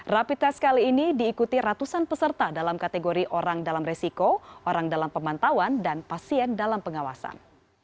rapi tes kali ini diikuti ratusan peserta dalam kategori orang dalam resiko orang dalam pemantauan dan pasien dalam pengawasan